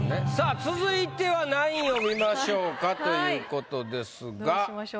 続いては何位を見ましょうかということですが。